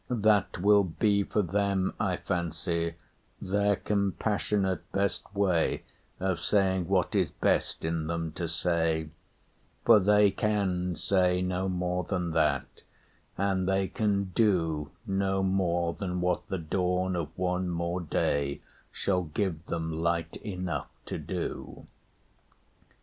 That will be For them, I fancy, their compassionate Best way of saying what is best in them To say; for they can say no more than that, And they can do no more than what the dawn Of one more day shall give them light enough To do.